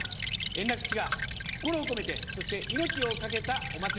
円楽っちが心を込めてそして命を懸けたお祭り。